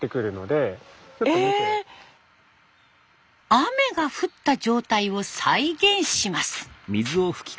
雨が降った状態を再現します。